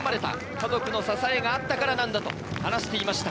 家族の支えがあったからなんだと話していました。